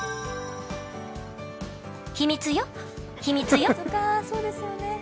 「秘密よ、秘密よ」